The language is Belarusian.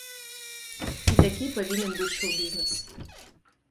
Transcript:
І такі павінен быць шоў-бізнес.